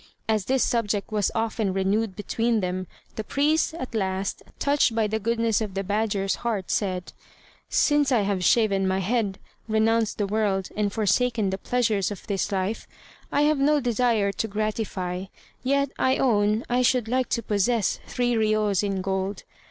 As this subject was often renewed between them, the priest at last, touched by the goodness of the badger's heart, said: "Since I have shaven my head, renounced the world, and forsaken the pleasures of this life, I have no desire to gratify, yet I own I should like to possess three riyos in gold.